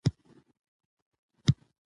د ناول کیسه داسې پيلېږي.